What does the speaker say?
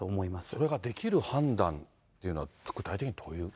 それができる判断っていうのは、具体的にどういう？